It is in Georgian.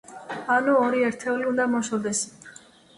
ანუ ორი ერთეული უნდა მოშორდეს.